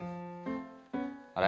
あれ？